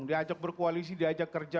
diajak berkoalisi diajak kerja